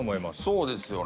そうですよね。